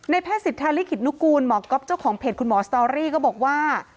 แพทย์สิทธาลิขิตนุกูลหมอก๊อฟเจ้าของเพจคุณหมอสตอรี่ก็บอกว่า